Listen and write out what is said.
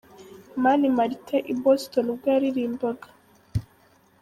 Mani Martin i Boston ubwo yaririmbaga.